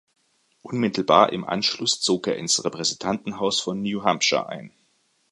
Unmittelbar im Anschluss zog er ins Repräsentantenhaus von New Hampshire ein.